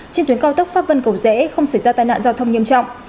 trên tuyến cao tốc pháp vân cầu rẽ không xảy ra tai nạn giao thông nghiêm trọng